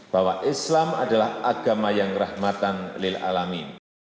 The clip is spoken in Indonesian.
bahwa islam adalah agama yang rahmatan lil'alamin